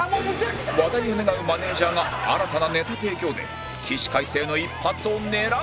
話題を願うマネージャーが新たなネタ提供で起死回生の一発を狙う！